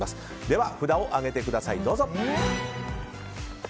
では、札を上げてください。